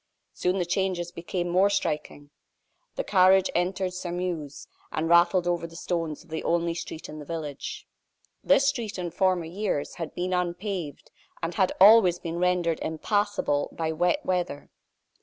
Soon the changes became more striking. The carriage entered Sairmeuse, and rattled over the stones of the only street in the village. This street, in former years, had been unpaved, and had always been rendered impassable by wet weather.